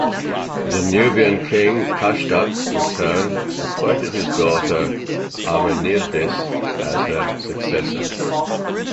The Nubian king Kashta, in turn, appointed his daughter, Amenirdis, as her successor.